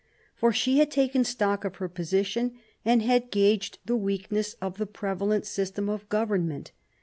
For she had taken stock of her position, and had gauged the weakness of the prevalent system of govern ment.